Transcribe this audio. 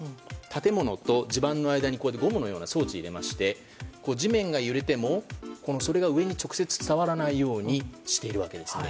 建物と地盤の間にゴムのような装置を入れまして地面が揺れてもそれが上に直接伝わらないようにしているんです。